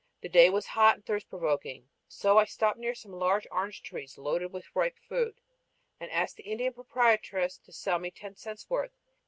The day was hot and thirst provoking, so I stopped near some large orange trees loaded with ripe fruit and asked the Indian proprietress to sell me ten cents' worth.